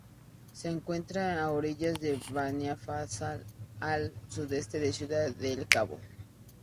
Se encuentra a orillas de Bahía Falsa, al sudeste de Ciudad del Cabo.